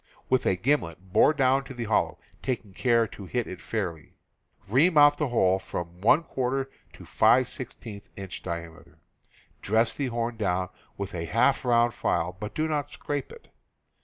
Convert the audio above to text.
With a gimlet bore down to the hollow, taking care to hit it fairly. Ream out the hole from } to 5 16 inch diameter. Dress the horn down with a half round file but do not scrape it.